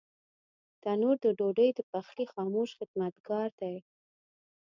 تنور د ډوډۍ د پخلي خاموش خدمتګار دی